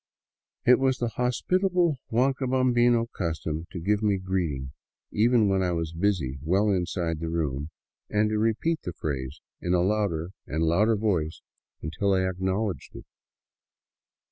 It was the hospitable huancabambino custom to give me greeting, even when I was busy well inside the room, and to repeat the phrase in a louder and louder voice until I acknowledged 231 VAGABONDING DOWN THE ANDES it.